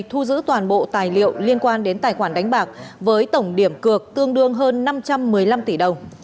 thu giữ toàn bộ tài liệu liên quan đến tài khoản đánh bạc với tổng điểm cược tương đương hơn năm trăm một mươi năm tỷ đồng